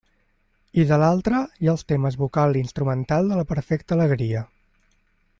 I de l'altra, hi ha els temes vocal i instrumental de la perfecta alegria.